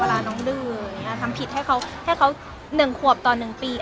เวลาน้องดึงทำผิดให้เค้า๑นาทีต่อ๑ปี